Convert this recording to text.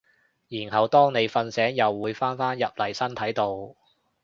然後當你瞓醒又會返返入嚟身體度